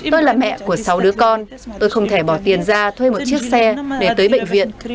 tôi là mẹ của sáu đứa con tôi không thể bỏ tiền ra thuê một chiếc xe để tới bệnh viện